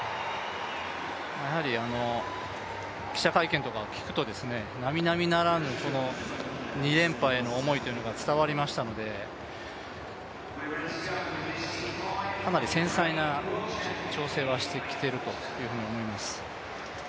やはり記者会見とかを聞くと、なみなみならぬ２連覇への思いというのが伝わりましたので、かなり繊細な調整はしてきていると思います。